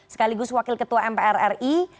sekaligus wakil ketua mpr ri